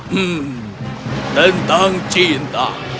hmm tentang cinta